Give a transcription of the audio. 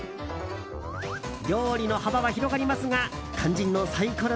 料理の幅は広がりますが肝心のサイコロ